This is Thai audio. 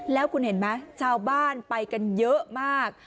แล้วคุณเห็นไหมชาวบ้านไปกันเยอะมาก